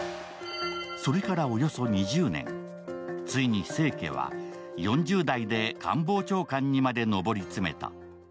それからおよそ２０年、ついに清家は４０代で官房長官にまで上り詰めた。